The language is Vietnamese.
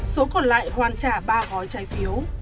số còn lại hoàn trả ba gói trái phiếu